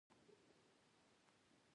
رقیب زما د فکري وړتیاو یوه برخه ده